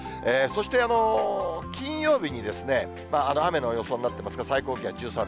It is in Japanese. そして金曜日に雨の予想になってますが、最高気温１３度。